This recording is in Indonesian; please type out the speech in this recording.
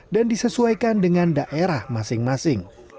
dan disesuaikan dengan daerah masing masing